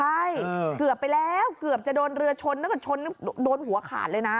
ใช่เกือบไปแล้วเกือบจะโดนเรือชนถ้าเกิดชนโดนหัวขาดเลยนะ